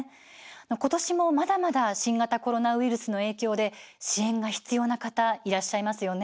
ことしも、まだまだ新型コロナウイルスの影響で支援が必要な方いらっしゃいますよね。